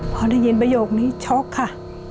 พอได้ยินประโยคนี้ช็อกค่ะ